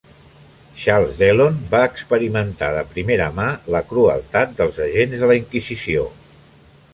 Charles Dellon va experimentar de primera mà la crueltat dels agents de la Inquisició.